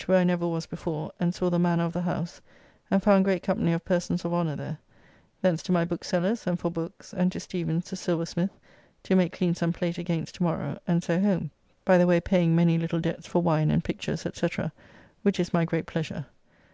] (where I never was before), and saw the manner of the house, and found great company of persons of honour there; thence to my bookseller's, and for books, and to Stevens, the silversmith, to make clean some plate against to morrow, and so home, by the way paying many little debts for wine and pictures, &c., which is my great pleasure.